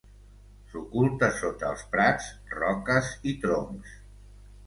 S'oculta sota els prats, roques i troncs.